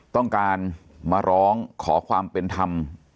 ต้องการมาร้องขอความเป็นธรรม